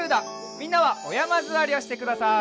みんなはおやまずわりをしてください。